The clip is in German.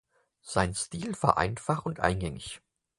Sein Stil war einfach und eingängig.